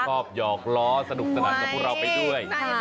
หยอกล้อสนุกสนานกับพวกเราไปด้วย